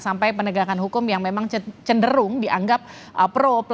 sampai penegakan hukum yang memang cenderung dianggap pro